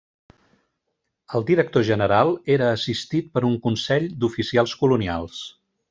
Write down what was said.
El Director-General era assistit per un consell d'oficials colonials.